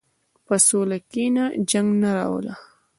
په سوله کښېنه، جنګ نه راوله.